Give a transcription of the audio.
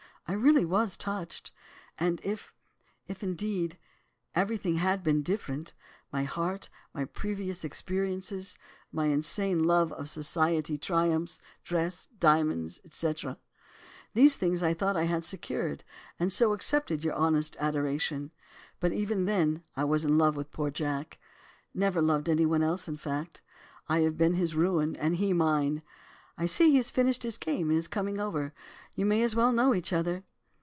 I really was touched, and if—if indeed—everything had been different, my heart, my previous experiences, my insane love of society triumphs, dress, diamonds, etc. These I thought I had secured, and so accepted your honest adoration. But even then I was in love with poor Jack—never loved any one else in fact. I have been his ruin, and he mine. I see he has finished his game, and is coming over. You may as well know each other.